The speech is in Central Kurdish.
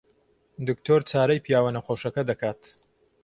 دکتۆر چارەی پیاوە نەخۆشەکە دەکات.